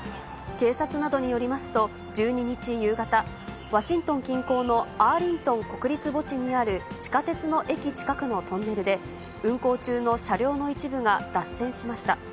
警察などによりますと、１２日夕方、ワシントン近郊のアーリントン国立墓地にある地下鉄の駅近くのトンネルで、運行中の車両の一部が脱線しました。